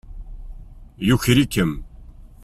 Yuker-ikem.